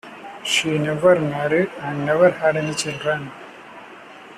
She never married and never had any children.